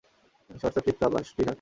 Shorts আর flip flop আর T-shirt.